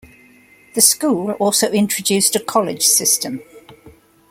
The school also introduced a College system.